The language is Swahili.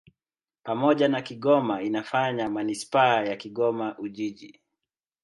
Pamoja na Kigoma inafanya manisipaa ya Kigoma-Ujiji.